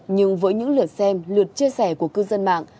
nhưng với những lượt xem lượt chia sẻ của cư dân mạng